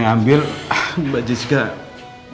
sbuta s buta z auckland